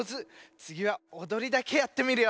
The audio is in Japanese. つぎはおどりだけやってみるよ。